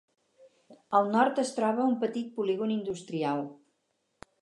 Al nord es troba un petit polígon industrial.